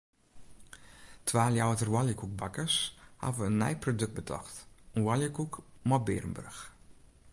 Twa Ljouwerter oaljekoekbakkers hawwe in nij produkt betocht: in oaljekoek mei bearenburch.